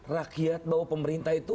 rakyat bahwa pemerintah itu